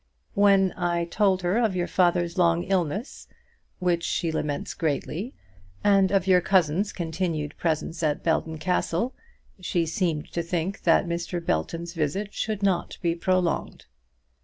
When I told her of your father's long illness, which she laments greatly, and of your cousin's continued presence at Belton Castle, she seemed to think that Mr. Belton's visit should not be prolonged.